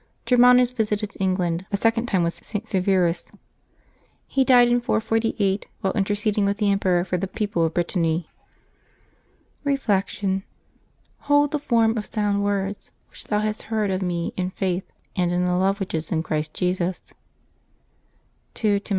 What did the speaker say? Germanus visited England a second 366 LIVES OF THE SAINTS [July 31 time with St. Sevenis. He died in 448, while inter ceding with the emperor for the people of Brittany. Reflection. —" Hold the form of sound words, which thou hast heard of me in faith, and in the love which is in Christ Jesus'' (11. Tim.